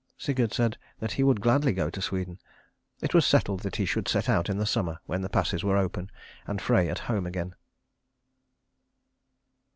Sigurd said that he would gladly go to Sweden. It was settled that he should set out in the summer when the passes were open and Frey at home again.